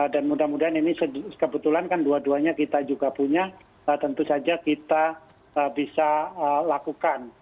dan mudah mudahan ini sekebetulan kan dua duanya kita juga punya tentu saja kita bisa lakukan